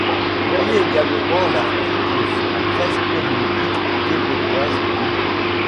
Voyez également l'article sur la presse périodique québécoise du.